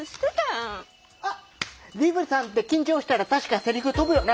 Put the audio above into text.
あっリブさんって緊張したら確かセリフ飛ぶよな。